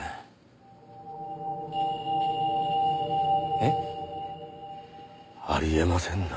えっ？あり得ませんな。